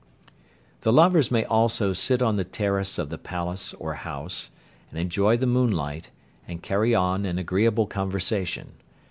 The lovers may also sit on the terrace of the palace or house, and enjoy the moonlight, and carry on an agreeable conversation.